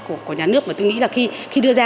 của nhà nước và tôi nghĩ là khi đưa ra